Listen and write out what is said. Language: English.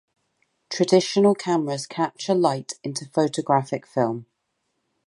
Traditional cameras capture light into photographic film.